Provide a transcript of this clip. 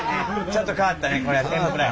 ちょっと変わったね。